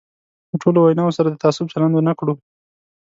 له ټولو ویناوو سره د تعصب چلند ونه کړو.